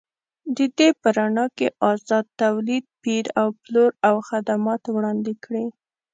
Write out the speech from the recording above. د دې په رڼا کې ازاد تولید، پېر او پلور او خدمات وړاندې کړي.